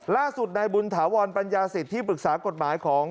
ล่าสุดในบุญถาวรปัญญาสิทธิปรึกษากฎหมายของ